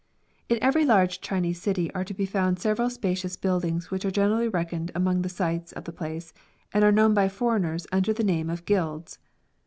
In every large Chinese city are to be found several spacious buildings wbicli are generally reckoned among the sights of the place, and are known by foreigners under the name of guilds.